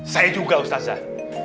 saya juga ustazah